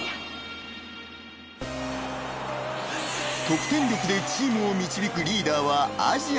［得点力でチームを導くリーダーはアジアにも］